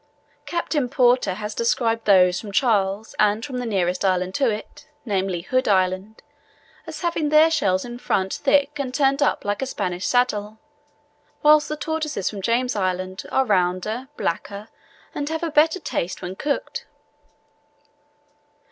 Captain Porter has described those from Charles and from the nearest island to it, namely, Hood Island, as having their shells in front thick and turned up like a Spanish saddle, whilst the tortoises from James Island are rounder, blacker, and have a better taste when cooked.